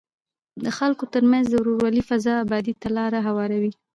د خلکو ترمنځ د ورورولۍ فضا ابادۍ ته لاره هواروي.